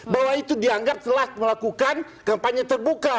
bahwa itu dianggap telah melakukan kampanye terbuka